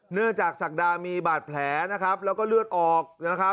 เนื่องจากศักดามีบาดแผลนะครับแล้วก็เลือดออก